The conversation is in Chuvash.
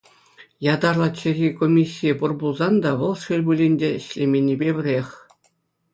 Ятарлӑ чӗлхе комиссийӗ пур пулсан та, вӑл, шел пулин, ӗҫлеменнипе пӗрех.